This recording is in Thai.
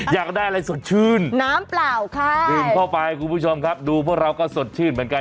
อยากได้อะไรสดชื่นน้ำเปล่าคะดื่มเข้าไปคุณผู้ชมครับดูพวกเราก็สดชื่นเหมือนกัน